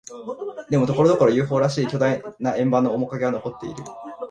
でも、ところどころ、ＵＦＯ らしき巨大な円盤の面影は残っている。